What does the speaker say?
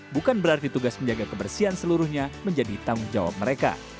bukan berarti tugas menjaga kebersihan seluruhnya menjadi tanggung jawab mereka